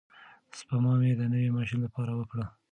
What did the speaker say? سپما مې د نوي ماشین لپاره وکړه.